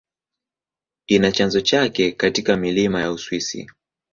Ina chanzo chake katika milima ya Uswisi.